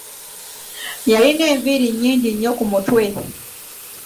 Yalina enviiri nnyingi nnyo ku mutwe.